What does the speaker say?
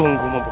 jangan lupa